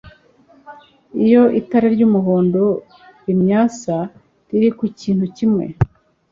iyo itara ry umuhondo rimyatsa riri ku kintu kimwe